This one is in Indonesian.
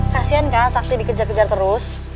kasian kan sakti dikejar kejar terus